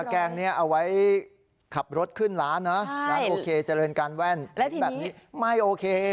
แกงนี้เอาไว้ขับรถขึ้นร้านนะร้านโอเคเจริญการแว่นแบบนี้ไม่โอเค